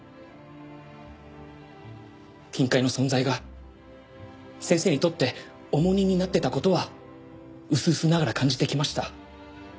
金塊の存在が先生にとって重荷になってた事はうすうすながら感じてきました。